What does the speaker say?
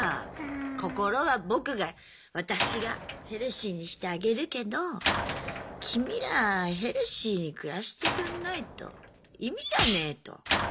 心は僕が私がヘルシーにしてあげるけど君らヘルシーに暮らしてくんないと意味がねえと。